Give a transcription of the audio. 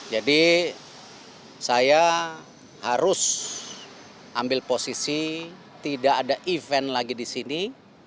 jadi saya harus ambil posisi tidak ada event lagi di sini